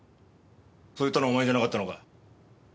そう言ったのはお前じゃなかったのか？